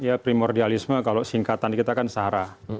ya primordialisme kalau singkatan kita kan sarah